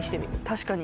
確かに。